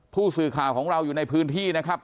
ผู้สื่อข่าวของเราอยู่ในพื้นที่นะครับ